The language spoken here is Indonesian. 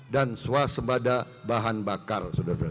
dan swasembada bahan bakar